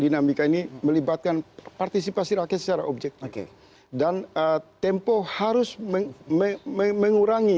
dinamika ini melibatkan partisipasi rakyat secara objek dan tempo harus mengurangi